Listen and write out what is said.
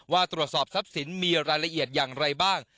ว่าตรวจสอบทรัพย์สินมีรายละเอียดอย่างไรบ้าง